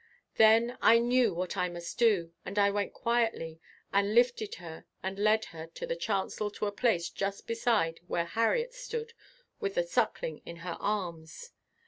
Then I knew what I must do and I went quietly and lifted her and led her to the chancel to a place just beside where Harriet stood with the Suckling in her arms.